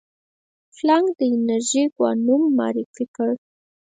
پلانک د انرژي کوانوم معرفي کړ.